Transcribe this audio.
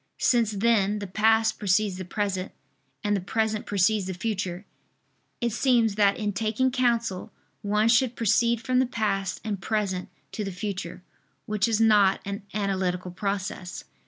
Since then, the past precedes the present, and the present precedes the future, it seems that in taking counsel one should proceed from the past and present to the future: which is not an analytical process.